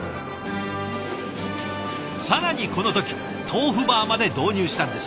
更にこの時豆腐バーまで導入したんです。